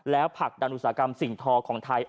แล้วผลักดันอุตสาหกรรมสิ่งทอของไทย